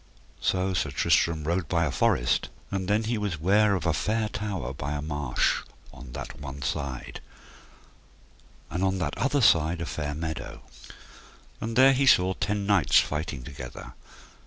So Sir Tristram rode by a forest, and then was he ware of a fair tower by a marsh on that one side, and on that other side a fair meadow. And there he saw ten knights fighting together.